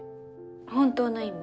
本当の意味？